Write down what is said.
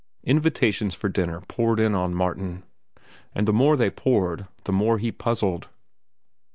Invitations to dinner poured in on Martin; and the more they poured, the more he puzzled.